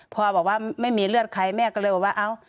พอบอกว่าไม่มีเลือดใครแม่ก็เลยบอกว่าเอ้า